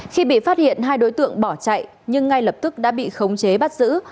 khi bị phát hiện hai đối tượng bỏ chạy nhưng ngay lập tức đã bị khống chế bắt giữ